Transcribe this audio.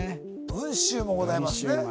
文集もございますね